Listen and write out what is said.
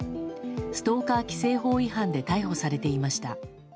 ストーカー規制法違反で逮捕されていました。